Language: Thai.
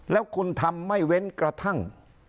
แล้วคุณทำไม่เว้นกระทั่ง